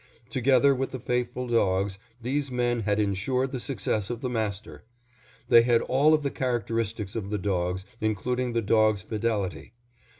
Together with the faithful dogs, these men had insured the success of the master. They had all of the characteristics of the dogs, including the dogs' fidelity.